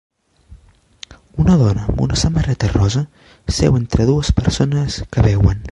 Una dona amb una samarreta rosa seu entre dues persones que beuen.